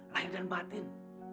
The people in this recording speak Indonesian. lahir dan batin